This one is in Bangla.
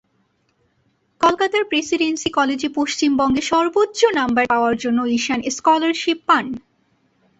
কলকাতার প্রেসিডেন্সি কলেজে পশ্চিমবঙ্গে সর্বোচ্চ নম্বর পাওয়ার জন্য ঈশান স্কলারশিপ পান।